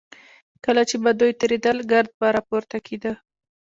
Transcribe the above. کله چې به دوی تېرېدل ګرد به راپورته کېده.